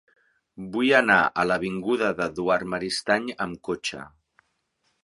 Vull anar a l'avinguda d'Eduard Maristany amb cotxe.